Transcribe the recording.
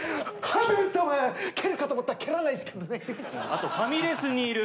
蹴るかと思ったら蹴らないですけどね。